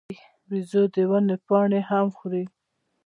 بیزو د ونو پاڼې هم خوري.